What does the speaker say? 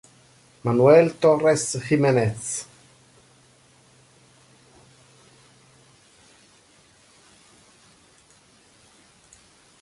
Manuel Torres Jiménez